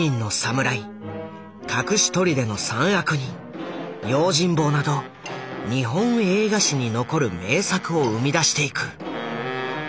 「隠し砦の三悪人」「用心棒」など日本映画史に残る名作を生み出していく。